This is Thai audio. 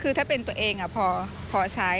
คือถ้าเป็นตัวเองพอใช้